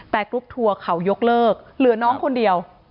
แต่กรุ๊ปทัวร์เขายกเลิกเหลือน้องคนเดียว